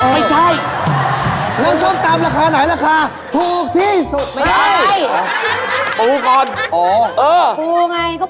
ไม่ใช่